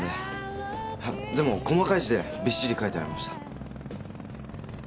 でも細かい字でびっしり書いてありました。